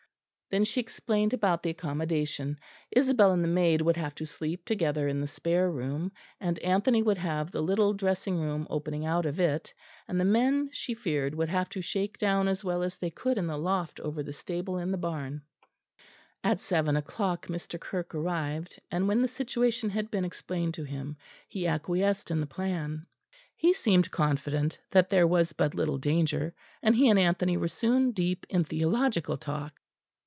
Then she explained about the accommodation. Isabel and the maid would have to sleep together in the spare room, and Anthony would have the little dressing room opening out of it; and the men, she feared, would have to shake down as well as they could in the loft over the stable in the barn. At seven o'clock Mr. Kirke arrived; and when the situation had been explained to him, he acquiesced in the plan. He seemed confident that there was but little danger; and he and Anthony were soon deep in theological talk.